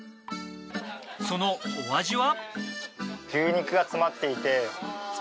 そのお味は？